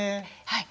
はい。